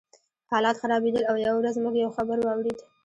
حالات خرابېدل او یوه ورځ موږ یو خبر واورېد